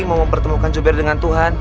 mau mempertemukan jubir dengan tuhan